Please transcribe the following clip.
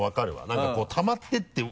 何かこうたまっていって何か。